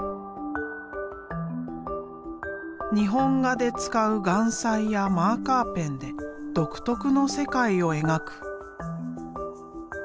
日本画で使う顔彩やマーカーペンで独特の世界を描く。